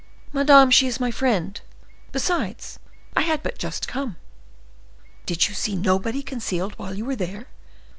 "Madame, she is my friend. Besides, I had but just come." "Did you see nobody concealed while you were there?"